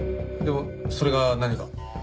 でもそれが何か？